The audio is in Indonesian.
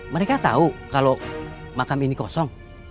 mereka tau kalo makam ini kosong